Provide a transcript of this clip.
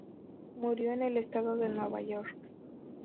Murió en el estado de Nueva York.